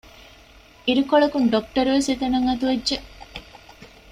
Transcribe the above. އިރުކޮޅަކުން ޑޮކްޓަރުވެސް އެތަނަށް އަތުވެއްޖެ